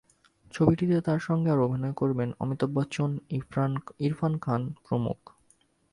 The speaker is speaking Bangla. ছবিটিতে তাঁর সঙ্গে আরও অভিনয় করবেন অমিতাভ বচ্চন, ইরফান খান প্রমুখ।